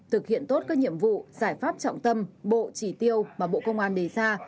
thực hiện tốt các nhiệm vụ giải pháp trọng tâm bộ chỉ tiêu mà bộ công an đề ra